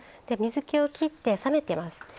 水けをきって冷めてます。